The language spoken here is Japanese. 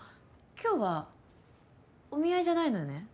今日はお見合いじゃないのよね？